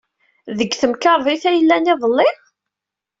Deg temkarḍit ay llan iḍelli?